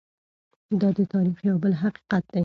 دا د تاریخ یو بل حقیقت دی.